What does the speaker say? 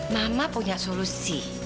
mama punya solusi